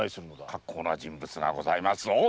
格好の人物がございますぞ。